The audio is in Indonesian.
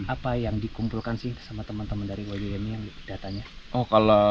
apa yang dikumpulkan sih sama teman teman dari wjm yang datanya